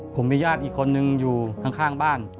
ผมมีญาติอีกคนนึงอยู่ข้างบ้าน